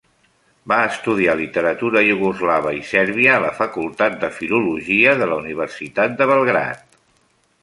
Va estudiar literatura iugoslava i sèrbia a la facultat de filologia de la universitat de Belgrad.